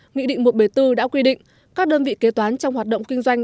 nghị định một trăm bảy mươi bốn đã quy định các đơn vị kế toán trong hoạt động kinh doanh